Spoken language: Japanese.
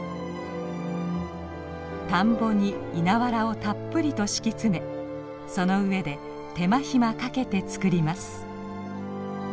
田んぼに稲わらをたっぷりと敷き詰めその上で手間暇かけて作ります。